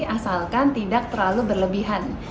asalkan tidak terlalu berlebihan